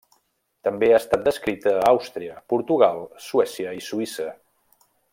També ha estat descrita a Àustria, Portugal, Suècia i Suïssa.